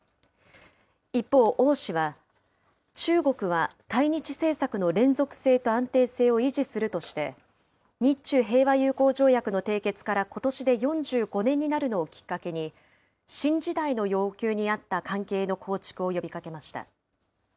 一方、王氏は、中国は対日政策の連続性と安定性を維持するとして、日中平和友好条約の締結からことしで４５年になるのをきっかけに、新時代の要求に合った関係の構築を呼びかけました。